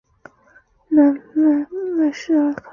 奈迈什科尔陶。